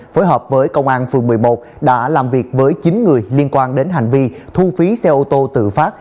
phối hợp với công an phường một mươi một đã làm việc với chín người liên quan đến hành vi thu phí xe ô tô tự phát